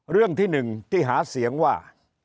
เรื่องที่๑ที่หาเสียงว่า